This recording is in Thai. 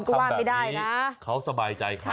แล้วเขาทำแบบนี้เขาสบายใจเขา